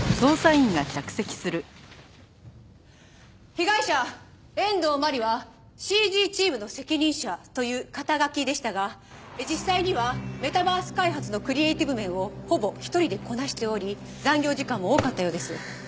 被害者遠藤真理はＣＧチームの責任者という肩書でしたが実際にはメタバース開発のクリエーティブ面をほぼ１人でこなしており残業時間も多かったようです。